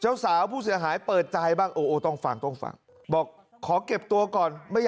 ทำดีทั้งคู่เนี่ยไม่น่าทำลูกเราเลย